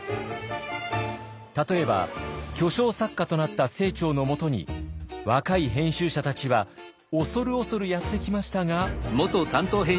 例えば巨匠作家となった清張のもとに若い編集者たちは恐る恐るやって来ましたが。